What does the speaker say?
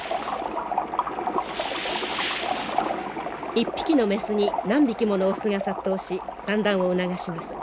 一匹のメスに何匹ものオスが殺到し産卵を促します。